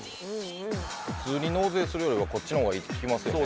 「普通に納税するよりはこっちの方がいいって聞きますよね」